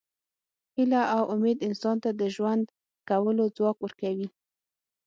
هیله او امید انسان ته د ژوند کولو ځواک ورکوي.